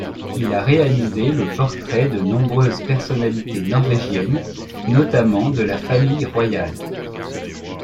Il a réalisé le portrait de nombreuses personnalités norvégiennes, notamment de la famille royale.